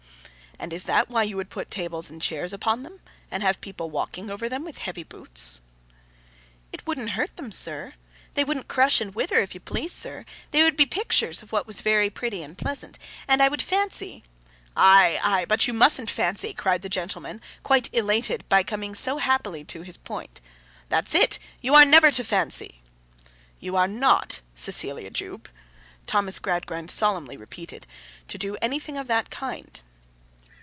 'And is that why you would put tables and chairs upon them, and have people walking over them with heavy boots?' 'It wouldn't hurt them, sir. They wouldn't crush and wither, if you please, sir. They would be the pictures of what was very pretty and pleasant, and I would fancy—' 'Ay, ay, ay! But you mustn't fancy,' cried the gentleman, quite elated by coming so happily to his point. 'That's it! You are never to fancy.' 'You are not, Cecilia Jupe,' Thomas Gradgrind solemnly repeated, 'to do anything of that kind.